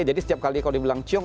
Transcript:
jadi setiap kali kalau dibilang ciong